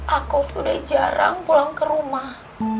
aku tuh udah jarang pulang ke rumah